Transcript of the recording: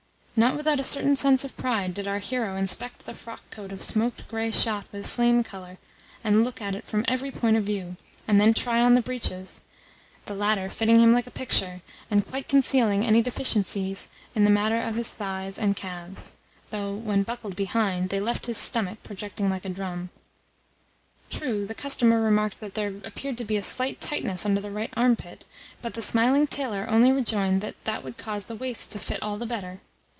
Not without a certain sense of pride did our hero inspect the frockcoat of smoked grey shot with flame colour and look at it from every point of view, and then try on the breeches the latter fitting him like a picture, and quite concealing any deficiencies in the matter of his thighs and calves (though, when buckled behind, they left his stomach projecting like a drum). True, the customer remarked that there appeared to be a slight tightness under the right armpit, but the smiling tailor only rejoined that that would cause the waist to fit all the better.